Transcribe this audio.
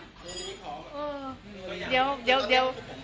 เดี๋ยวพี่นี่มีผอม